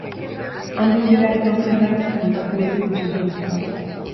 Han bizi behar izan zituenak kontatzen ditu ikus-entzunezkoak.